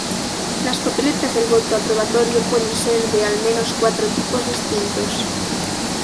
Las papeletas del voto aprobatorio pueden ser de al menos cuatro tipos distintos.